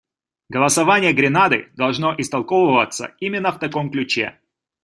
Голосование Гренады должно истолковываться именно в таком ключе.